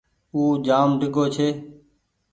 اُو جآم ڍيڳو ڇي۔